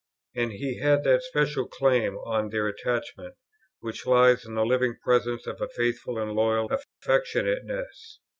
And he had that special claim on their attachment, which lies in the living presence of a faithful and loyal affectionateness.